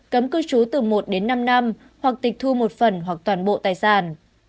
cấm cư trú từ một đến năm năm hoặc tịch thu một phần hoặc toàn bộ tài sản